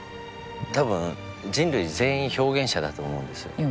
多分人類全員表現者だと思うんですよ。